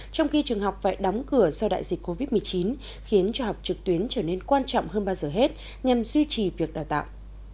trong khi trường học phải đóng cửa do đại dịch covid một mươi chín khiến cho học trực tuyến trở nên quan trọng hơn bao giờ hết nhằm duy trì việc đào tạo